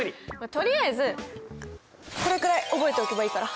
とりあえずこれくらい覚えておけばいいから。